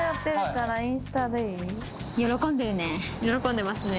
喜んでますね。